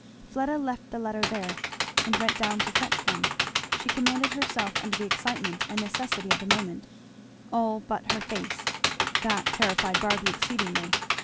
Fleda left the letter there and went down to fetch one. She commanded herself under the excitement and necessity of the moment, all but her face; that terrified Barby exceedingly.